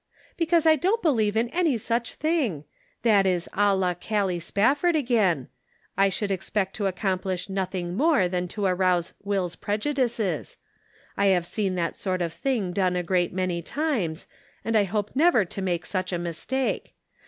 " Because I don't believe in any such thing. That is a la Gallic Spafford again. I should expect to accomplish nothing more than to arouse Will's prejudices. I have seen that sort of thing done a great many times, and I hope never to make such a mistake.